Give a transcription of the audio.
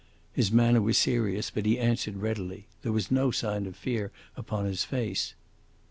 His manner was serious, but he answered readily. There was no sign of fear upon his face.